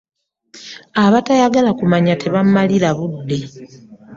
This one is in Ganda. Abatayagala kumanya tebammalira budde.